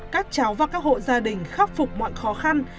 các cháu và các hộ gia đình khắc phục mọi khó khăn